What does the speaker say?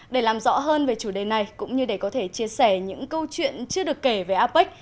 để làm rõ hơn về chủ đề này cũng như để có thể chia sẻ những câu chuyện chưa được kể về apec